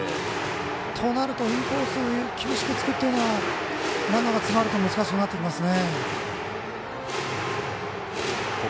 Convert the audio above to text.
となると、インコースを厳しく突くというのはランナーが詰まると難しくなってきますね。